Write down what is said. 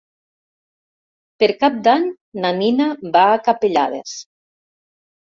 Per Cap d'Any na Nina va a Capellades.